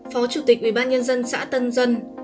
phó chủ tịch ủy ban nhân dân xã tân dân